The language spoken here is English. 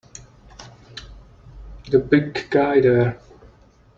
The big guy there!